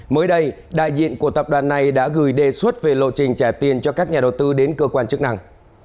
mới đây đại diện của tập đoàn này đã gửi đề xuất về lộ trình trả tiền cho các nhà đầu tư đến cơ quan chức năng